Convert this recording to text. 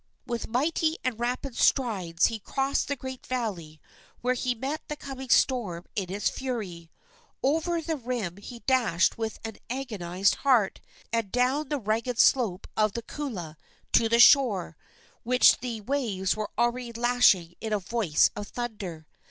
With mighty and rapid strides he crossed the great valley, where he met the coming storm in its fury. Over the rim he dashed with an agonized heart, and down the ragged slope of the kula to the shore, which the waves were already lashing in a voice of thunder.